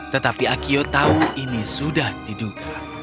tetapi akio tahu ini sudah diduga